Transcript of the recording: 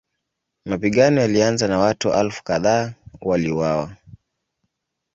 Mapigano yalianza na watu elfu kadhaa waliuawa.